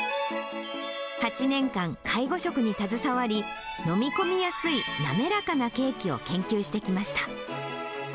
８年間介護職に携わり、飲み込みやすい滑らかなケーキを研究してきました。